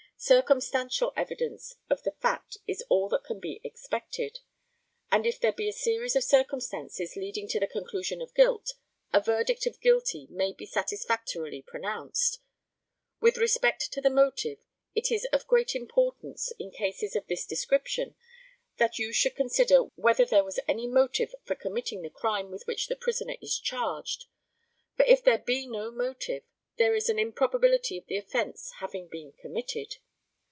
Circumstantial evidence of the fact is all that can be expected; and if there be a series of circumstances leading to the conclusion of guilt, a verdict of guilty may be satisfactorily pronounced. With respect to the motive, it is of great importance, in cases of this description, that you should consider whether there was any motive for committing the crime with which a prisoner is charged, for if there be no motive, there is an improbability of the offence having been committed.